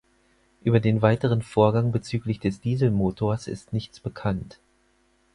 Über den weiteren Vorgang bezüglich des Dieselmotors ist nichts bekannt.